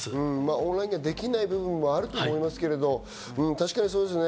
オンラインでできない部分もあると思いますけど確かにそうですね。